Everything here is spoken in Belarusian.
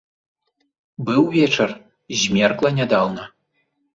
Быў вечар, змеркла нядаўна.